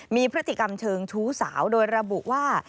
มีพฤติกรรมเชิงชู้สาวโดยระบุว่า